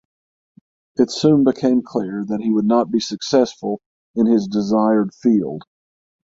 It soon became clear that he would not be successful in his desired field.